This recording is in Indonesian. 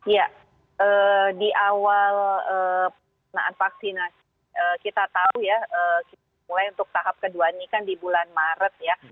ya di awal penggunaan vaksinasi kita tahu ya mulai untuk tahap kedua ini kan di bulan maret ya